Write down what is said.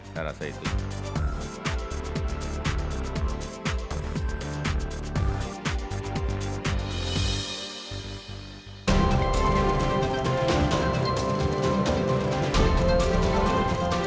saya rasa itu saja